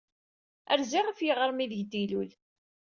Rziɣ ɣef yiɣrem aydeg d-ilul.